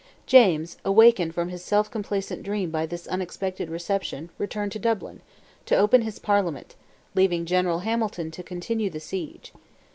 James, awakened from his self complacent dream by this unexpected reception, returned to Dublin, to open his Parliament, leaving General Hamilton to continue the siege.